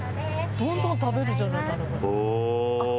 どんどん食べるじゃない田中さん。